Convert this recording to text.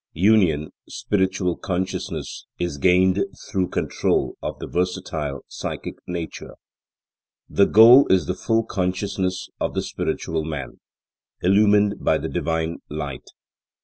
Union, spiritual consciousness, is gained through control of the versatile psychic nature. The goal is the full consciousness of the spiritual man, illumined by the Divine Light.